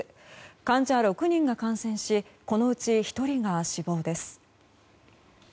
患者６人が感染しこのうち１人が死亡です。